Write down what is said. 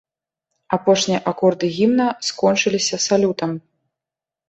Апошнія акорды гімна скончыліся салютам.